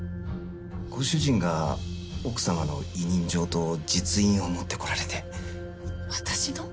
ご主人が奥さまの委任状と実印を持って来られて。私の？